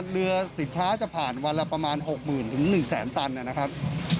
เรือสิบช้าจะผ่านวันละประมาณ๖หมื่นถึง๑แสนตันนะครับ